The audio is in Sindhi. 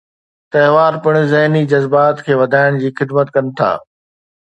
تہوار پڻ ذھني جذبات کي وڌائڻ جي خدمت ڪن ٿا.